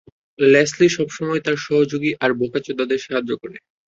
Leslie সবসময় তার সহযোগী আর বোকাচোদাদের সাহায্য করে।